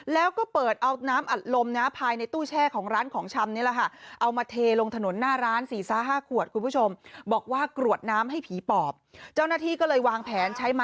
แล้วก็เปิดเอาน้ำอัดลม